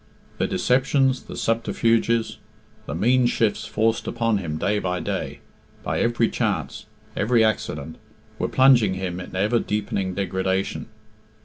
The deceptions, the subterfuges, the mean shifts forced upon him day by day, by every chance, every accident, were plunging him in ever deepening degradation.